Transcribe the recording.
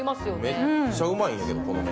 めっちゃうまいんだけど、この麺。